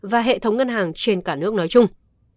và hệ thống ngân hàng trên cả nước nói chung